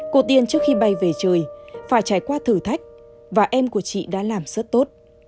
cô tiên trước khi bay về trời phải trải qua thử thách và em của chị đã làm rất tốt